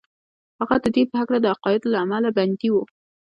هغه د دين په هکله د عقايدو له امله بندي و.